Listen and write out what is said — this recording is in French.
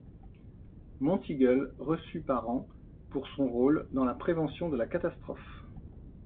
Monteagle reçut par an pour son rôle dans la prévention de la catastrophe.